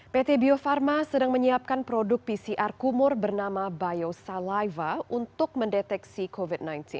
pt bio farma sedang menyiapkan produk pcr kumur bernama biosaliva untuk mendeteksi covid sembilan belas